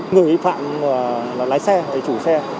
người phạm lái xe chủ xe